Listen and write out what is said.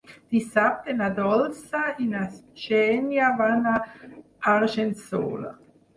Dissabte na Dolça i na Xènia van a Argençola.